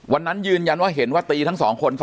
วันนั้นยืนยันว่าเห็นว่าตีทั้งสองคน